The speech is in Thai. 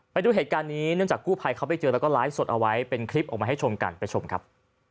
ไปดูเหตุการณ์นี้เนื่องจากกู้ภัยเขาไปเจอแล้วก็ไลฟ์สดเอาไว้เป็นคลิปออกมาให้ชมกันไปชมครับ